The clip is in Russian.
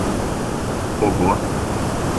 Ого!